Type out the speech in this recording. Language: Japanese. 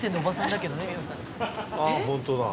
ああホントだ。